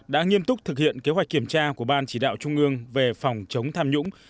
đã nghiêm túc thực hiện kế hoạch kiểm tra của ban chỉ đạo trung ương về phòng chống tham nhũng